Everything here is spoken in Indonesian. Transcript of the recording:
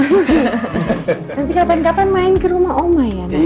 nanti kapan kapan main kerumah oma ya